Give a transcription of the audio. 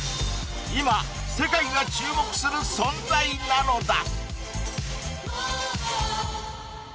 今世界が注目する存在なのだ！